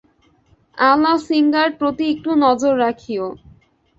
আলাসিঙ্গার প্রতি একটু নজর রাখিও।